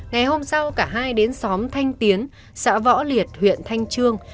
ngày hôm sau cả hai đến xóm thanh tiến xã võ liệt huyện thanh trương